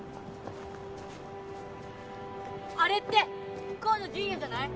あれって河野純也じゃない？